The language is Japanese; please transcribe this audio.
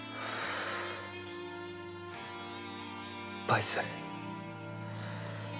バイス。